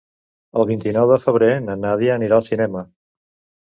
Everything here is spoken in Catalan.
El vint-i-nou de febrer na Nàdia anirà al cinema.